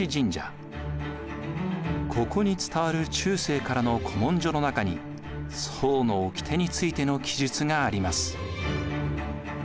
ここに伝わる中世からの古文書の中に惣のおきてについての記述があります。